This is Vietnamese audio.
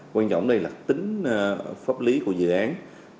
quan trọng đây là tính pháp lý của dự án